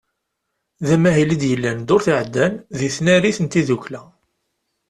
D amahil i d-yellan ddurt iɛeddan deg tnarit n tiddukla.